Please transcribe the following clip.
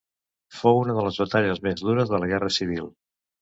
Fou una de les batalles més dures de la Guerra Civil.